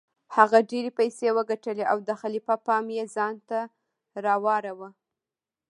هغه ډیرې پیسې وګټلې او د خلیفه پام یې ځانته راواړوه.